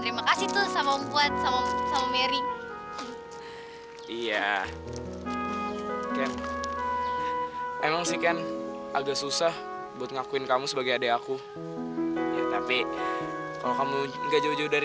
terima kasih tuh sama om fuad sama sama mary iya ken emang sih ken agak susah buat ngakuin kamu sebagai adik aku ya tapi aku bisa ngeri ngeriin kamu juga ya